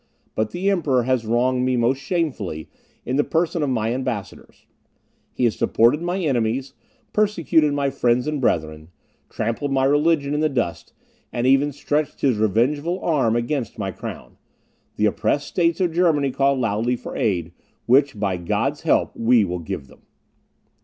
But the Emperor has wronged me most shamefully in the person of my ambassadors. He has supported my enemies, persecuted my friends and brethren, trampled my religion in the dust, and even stretched his revengeful arm against my crown. The oppressed states of Germany call loudly for aid, which, by God's help, we will give them.